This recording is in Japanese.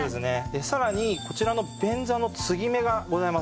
でさらにこちらの便座の継ぎ目がございません。